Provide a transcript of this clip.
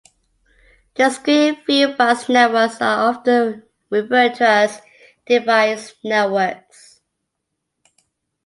Discrete fieldbus networks are often referred to as "device networks".